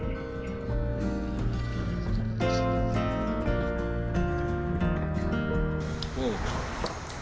kira kira seperti apa ya rasa kare ranjungan